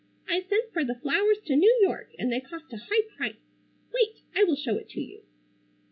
I sent for the flowers to New York and they cost a high price. Wait! I will show it to you."